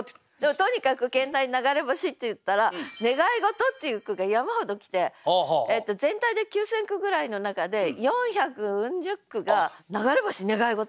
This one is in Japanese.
とにかく兼題「流れ星」っていったら「願い事」っていう句が山ほど来て全体で９，０００句ぐらいの中で四百うん十句が「流れ星」「願い事」。